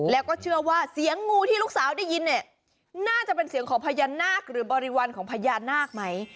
แล้วก็เชื่อว่าเสียงงูที่ลูกสาวได้ยินเนี่ยน่าจะเป็นเสียงของพญานาคหรือบริวารของพญานาคไหม